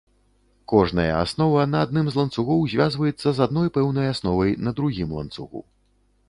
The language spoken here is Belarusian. Кожная аснова на адным з ланцугоў звязваецца з адной пэўнай асновай на другім ланцугу.